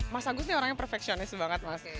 mas agus ini orang yang perfeksionis banget mas